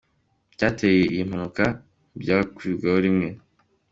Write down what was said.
Icyateye iyi mpanuka abantu ntibakivugaho rumwe.